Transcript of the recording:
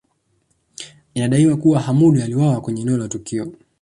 Inadaiwa kuwa Hamoud aliuawa kwenye eneo la tukio